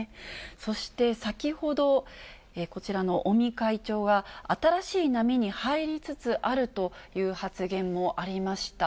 そして先ほど、こちらの尾身会長が、新しい波に入りつつあるという発言もありました。